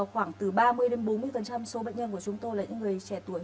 khoảng từ ba mươi bốn mươi số bệnh nhân của chúng tôi là những người trẻ tuổi